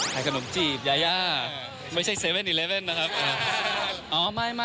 ขนมจีบยาย่าไม่ใช่๗๑๑นะครับ